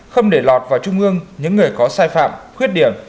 không để lọt vào trung ương những người có sai phạm khuyết điểm